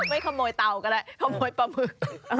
ไม่ขโมยเตาก็ได้ขโมยปลาหมึก